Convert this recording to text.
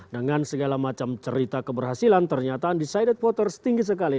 dengan segala macam cerita keberhasilan ternyata undecided voters tinggi sekali